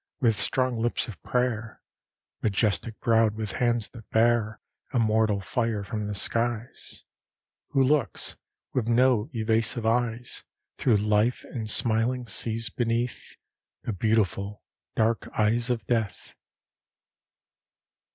with strong lips of prayer, Majestic browed, with hands that bare Immortal fire from the skies: Who looks, with no evasive eyes, Through life, and, smiling, sees beneath The beautiful, dark eyes of death.